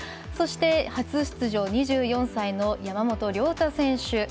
そして、初出場２４歳の山本涼太選手。